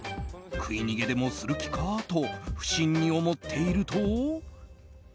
食い逃げでもする気か？と不審に思っていると。